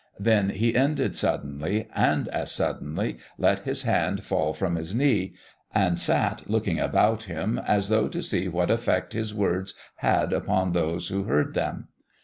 Then he ended suddenly, and as suddenly let his hand fall from his knee, and sat looking about him as though to see what effect his words had upon those who heard them.